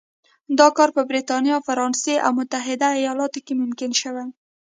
دا کار په برېټانیا، فرانسې او متحده ایالتونو کې ممکن شوی.